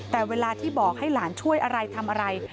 แต่เวลาที่บอกให้หลานช่วยอะไรทำอะไร